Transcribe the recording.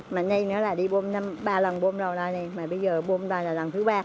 mà nay nữa là đi bơm ba lần bơm đầu ra này mà bây giờ bơm ra là lần thứ ba